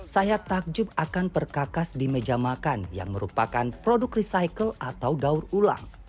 saya takjub akan perkakas di meja makan yang merupakan produk recycle atau daur ulang